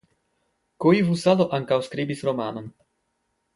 Koivusalo ankaŭ skribis romanon.